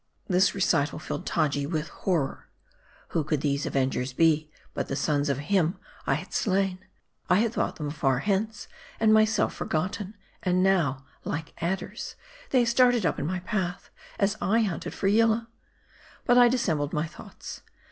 This recital filled Taji with horror. Who could these avengers be, but the sons of him I had slain. 1 had thought them far hence, and myself forgotten ; and now, like adders, they started up in my path, as I hunted for Yillah. But I dissembled my thoughts.